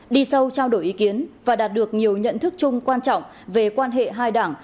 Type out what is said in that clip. đi sâu trao đổi ý kiến và đạt được nhiều nhận thức chung quan trọng về quan hệ hai đảng